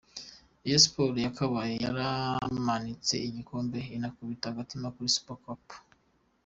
Rayon Sports yakabaye yaramanitse igikombe inakubita agatima kuri Super Cup .